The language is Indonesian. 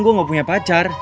gue gak punya pacar